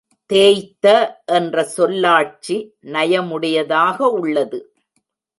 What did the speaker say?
தேய்த்த என்ற சொல்லாட்சி நயமுடையதாக உள்ளது.